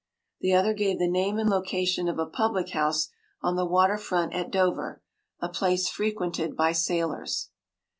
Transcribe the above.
The other gave the name and location of a public house on the water front at Dover—a place frequented by sailors.